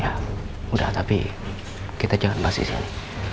ya udah tapi kita jangan bahas isinya